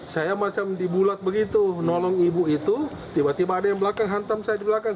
saya macam dibulat begitu nolong ibu itu tiba tiba ada yang belakang hantam saya di belakang